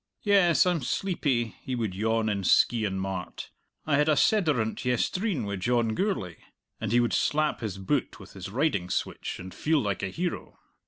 "Yes, I'm sleepy," he would yawn in Skeighan Mart; "I had a sederunt yestreen wi' John Gourlay," and he would slap his boot with his riding switch and feel like a hero.